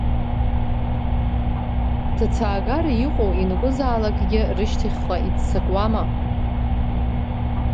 Ҭацаагара иҟоу ианакәызаалакгьы рышьҭахьҟа иццакуама?!